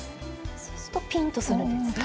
そうするとピンとするんですね。